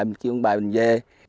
mình chiều ông bà mình về